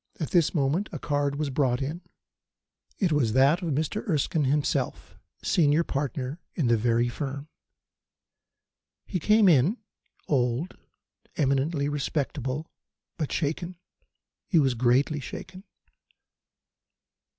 At this moment a card was brought in. It was that of Mr. Erskine himself, senior partner in the very firm. He came in, old, eminently respectable, but shaken. He was greatly shaken.